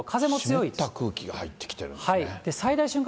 湿った空気が入ってきている最大瞬間